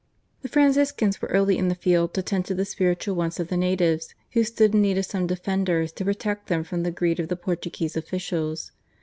The Franciscans were early in the field to tend to the spiritual wants of the natives, who stood in need of some defenders to protect them from the greed of the Portuguese officials.